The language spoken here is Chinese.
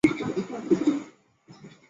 尾长且纤细。